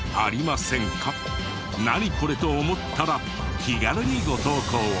「ナニコレ？」と思ったら気軽にご投稿を。